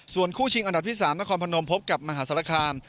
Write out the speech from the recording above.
ส่วนคู่ชิงอันดับที่๓นครพนมพบกับมหาศาลคาม